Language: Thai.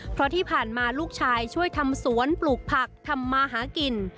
เพราะที่ผ่านมาลูกชายช่วยทำสวนปลูกผักทำมาหากิน